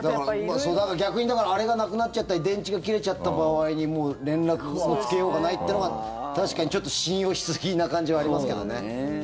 逆にだからあれがなくなっちゃったり電池が切れちゃった場合にもう連絡のつけようがないっていうのは確かにちょっと信用しすぎな感じはありますけどね。